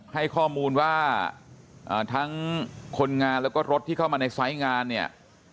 ให้ข้อมูลว่าทั้งคนงานแล้วก็รถที่เข้ามาในไซส์งานเนี่ย